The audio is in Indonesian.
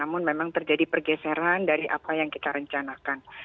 namun memang terjadi pergeseran dari apa yang kita rencanakan